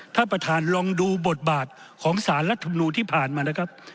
ท่านประธานลองดูบทบาทของสารรัฐมนูลที่ผ่านมานะครับ